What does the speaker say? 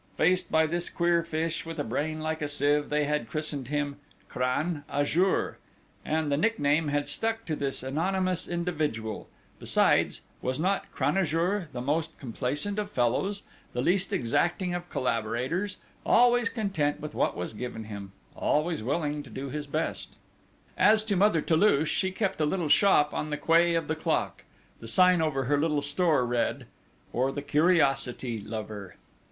Faced by this queer fish, with a brain like a sieve, they had christened him "Crâne à jour" and the nickname had stuck to this anonymous individual. Besides, was not Cranajour the most complaisant of fellows, the least exacting of collaborators always content with what was given him, always willing to do his best! As to Mother Toulouche; she kept a little shop on the quay of the Clock. The sign over her little store read: "_For the Curiosity Lover.